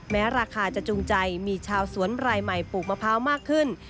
แม้ราคาจะจูงใจมีชาวสวนรายใหม่ปลูกมะพร้าวมากขึ้น